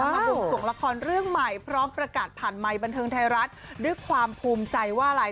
มาบวงสวงละครเรื่องใหม่พร้อมประกาศผ่านไมค์บันเทิงไทยรัฐด้วยความภูมิใจว่าอะไร